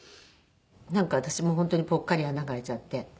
なんか私も本当にぽっかり穴が開いちゃって。